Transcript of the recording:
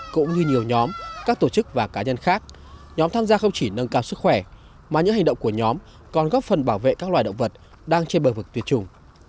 cũng như nhiều nhóm các tổ chức và cá nhân khác nhóm tham gia không chỉ nâng cao sức khỏe mà những hành động của nhóm còn góp phần bảo vệ các loài động vật đang trên bờ vực tuyệt chủng